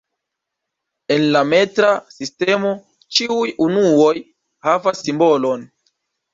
En la metra sistemo, ĉiuj unuoj havas "simbolon".